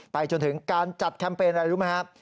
จนถึงการจัดแคมเปญอะไรรู้ไหมครับ